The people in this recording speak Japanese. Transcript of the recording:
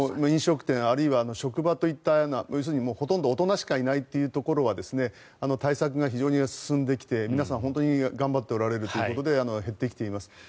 飲食店あるいは職場といったような要するにほとんど大人しかいないというところは対策が非常に進んできて皆さん、本当に頑張っておられるということで減ってきています。